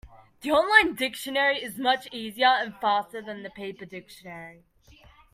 The online dictionary is much easier and faster than the paper dictionary.